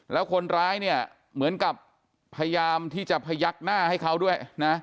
แล้วคนร้ายเนี่ยเหมือนกับพยายามที่จะพยักหน้าให้เขาด้วยนะ